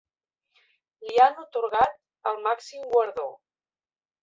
Li han atorgat el màxim guardó.